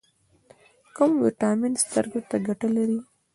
کوم ویټامین سترګو ته ګټه لري؟